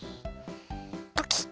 ポキッ！